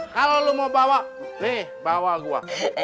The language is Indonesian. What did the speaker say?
kalau lo mau bawa nih bawa gua